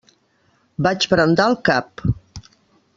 Vaig brandar el cap.